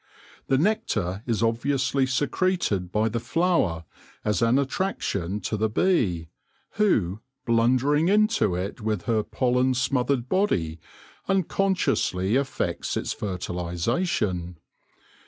The nectar is obviously secreted by the flower as an attraction to the bee, who, blundering into it with her pollen smothered body, unconsciously effects its fertilisation.